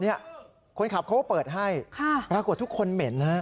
นี่คนขับเขาก็เปิดให้ปรากฏทุกคนเหม็นฮะ